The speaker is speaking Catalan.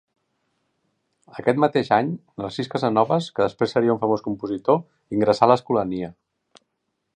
Aquest mateix any, Narcís Casanoves, que després seria un famós compositor, ingressà a l'Escolania.